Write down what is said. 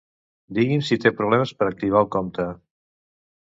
Digui'm si té problemes per activar el compte.